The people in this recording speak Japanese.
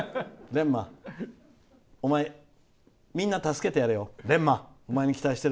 れんま、お前みんな助けてやれよ。